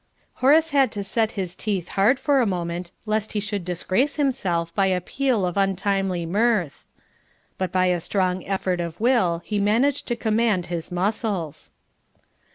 Horace had to set his teeth hard for a moment, lest he should disgrace himself by a peal of untimely mirth but by a strong effort of will he managed to command his muscles.